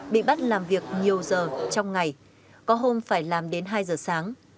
bị bắt làm việc nhiều giờ trong ngày có hôm phải làm đến hai giờ sáng